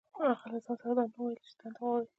هغه له ځان سره دا نه وو ويلي چې دنده غواړي.